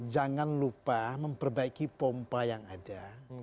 jangan lupa memperbaiki pompa yang ada